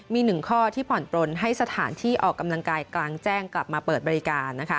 มี๑ข้อที่ผ่อนปลนให้สถานที่ออกกำลังกายกลางแจ้งกลับมาเปิดบริการ